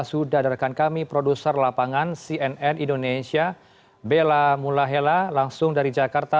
sudah ada rekan kami produser lapangan cnn indonesia bella mulahela langsung dari jakarta